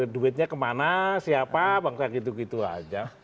duitnya kemana siapa bangsa gitu gitu aja